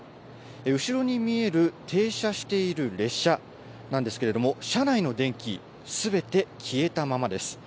後ろに見える停車している列車なんですけれども、車内の電気、すべて消えたままです。